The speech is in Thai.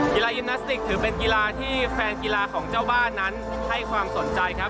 กีฬายิมนาสติกถือเป็นกีฬาที่แฟนกีฬาของเจ้าบ้านนั้นให้ความสนใจครับ